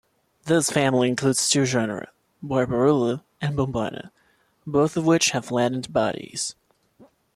This family includes two genera, "Barbourula" and "Bombina", both of which have flattened bodies.